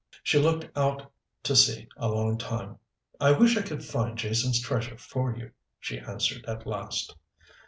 She looked out to sea a long time. "I wish I could find Jason's treasure for you," she answered at last.